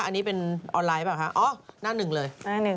อันนี้เป็นออนไลน์เปล่าคะอ๋อหน้าหนึ่งเลย